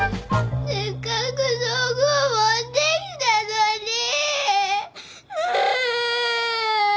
せっかく道具を持ってきたのにぃ。